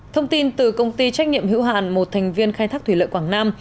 thông tin từ công ty trách nhiệm hữu hạn một thành viên khai thác thủy lợi quảng nam